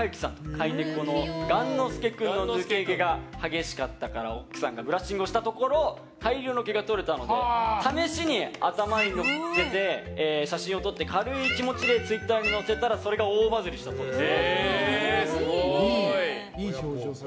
飼い猫の雁之助君の抜け毛が激しかったから奥さんがブラッシングをしたところ大量の毛が取れたので試しに頭にのっけて写真を撮ってから軽い気持ちでツイッターに載せたらそれが大バズりしたそうです。